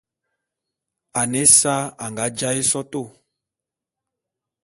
Ane ésa anga jaé sotô.